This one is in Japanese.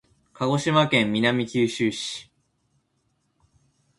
鹿児島県南九州市